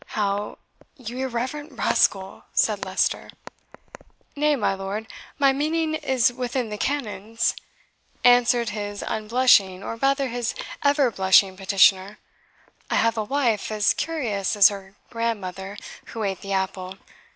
"How, you irreverent rascal!" said Leicester. "Nay, my lord, my meaning is within the canons," answered his unblushing, or rather his ever blushing petitioner. "I have a wife as curious as her grandmother who ate the apple.